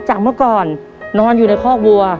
เมื่อก่อนนอนอยู่ในคอกวัว